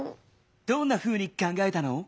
どんなふうにかんがえたの？